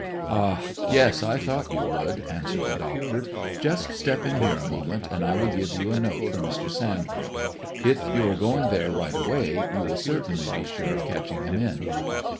"Ah! Yes, I thought you would," answered the doctor. "Just step in here a moment, and I will give you a note for Mr. Sandbrook. If you are going there right away, you will certainly be sure of catching him in."